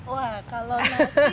wah kalau nasi